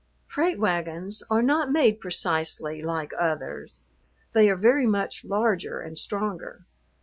Freight wagons are not made precisely like others; they are very much larger and stronger.